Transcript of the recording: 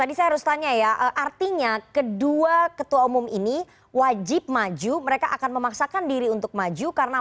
adia artinya kedua ketua umum ini wajib maju mereka akan memaksakan diri untuk maju karena